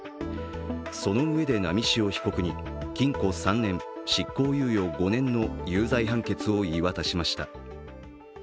そのうえで、波汐被告に禁錮３年・執行猶予５年の有罪判決を言い渡しました。